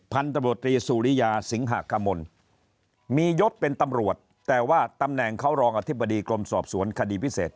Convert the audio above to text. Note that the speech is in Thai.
พันธบตรีสุริยาสิงหากมลมียศเป็นตำรวจแต่ว่าตำแหน่งเขารองอธิบดีกรมสอบสวนคดีพิเศษ